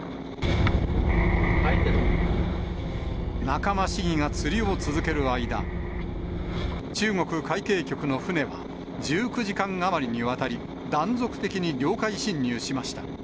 仲間市議が釣りを続ける間、中国海警局の船は、１９時間余りにわたり、断続的に領海侵入しました。